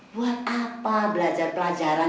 buat apa belajar pelajaran